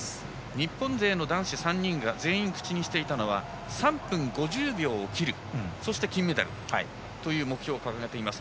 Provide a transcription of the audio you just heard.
日本勢の男子３人が全員口にしていたのは３分５０秒を切るそして金メダルという目標を掲げています。